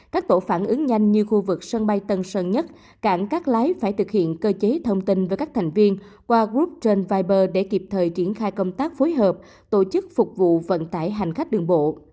các tổ phản ứng nhanh như khu vực sân bay tân sơn nhất cảng cát lái phải thực hiện cơ chế thông tin với các thành viên qua group trên viber để kịp thời triển khai công tác phối hợp tổ chức phục vụ vận tải hành khách đường bộ